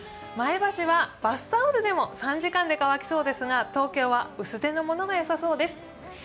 前橋はバスタオルでも３時間で乾きそうですが東京は薄手のものがよさそうです。